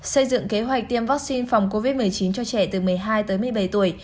xây dựng kế hoạch tiêm vaccine phòng covid một mươi chín cho trẻ từ một mươi hai tới một mươi bảy tuổi